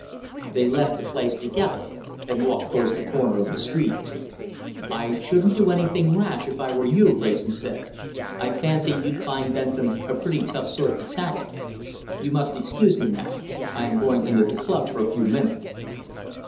They left the place together and walked towards the corner of the street. "I shouldn't do anything rash, if I were you," Wrayson said. "I fancy you'd find Bentham a pretty tough sort to tackle. You must excuse me now. I am going into the club for a few minutes."